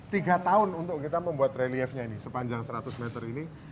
tiga tahun untuk kita membuat reliefnya ini sepanjang seratus meter ini